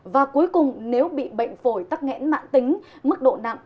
và cuối cùng nếu bị bệnh phổi tắc nghẽn mạng tính mức độ nặng